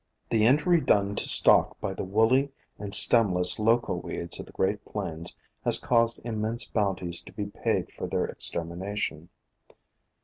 The injury done to stock by the Woolly and Stemless Loco Weeds of the Great Plains has caused immense bounties to be paid for their ex termination.